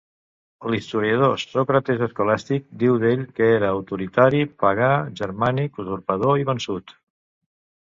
L'historiador Sòcrates Escolàstic diu d'ell que era autoritari, pagà, germànic, usurpador i vençut.